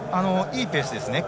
いいペースですね。